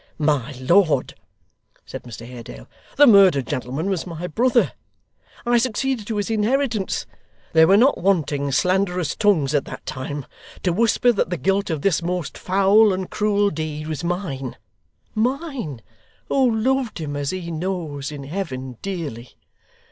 'My lord,' said Mr Haredale, 'the murdered gentleman was my brother; I succeeded to his inheritance; there were not wanting slanderous tongues at that time, to whisper that the guilt of this most foul and cruel deed was mine mine, who loved him, as he knows, in Heaven, dearly.